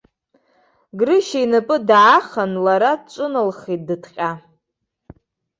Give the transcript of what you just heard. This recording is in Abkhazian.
Грышьа инапы даахан, лара лҿыналхеит дыҭҟьа.